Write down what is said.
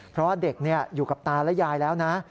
เพราะว่าเด็กอยู่กับตาและยายแล้วนะ